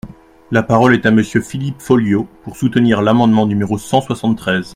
La parole est à Monsieur Philippe Folliot, pour soutenir l’amendement numéro cent soixante-treize.